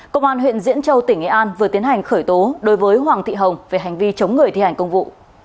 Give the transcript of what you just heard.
công an huyện diễn châu tỉnh nghệ an vừa tiến hành khởi tố đối với hoàng thị hồng về hành vi chống người thi hành công vụ